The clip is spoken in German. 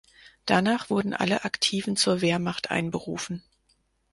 Danach wurden alle Aktiven zur Wehrmacht einberufen.